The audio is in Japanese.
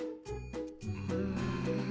うん。